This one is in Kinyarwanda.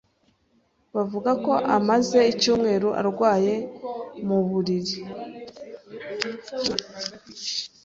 Bavuga ko amaze icyumweru arwaye mu buriri.